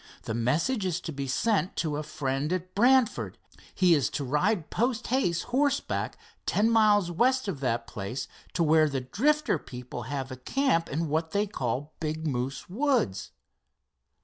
The message is to be sent to a friend at Brantford. He is to ride post haste horseback ten miles west of that place to where the Drifter people have a camp in what they call Big Moose Woods."